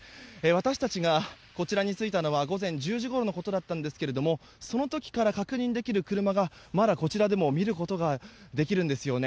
私たちがこちらに着いたのは午前１０時ごろのことでしたがその時から確認できる車がまだこちらでも見ることができるんですよね。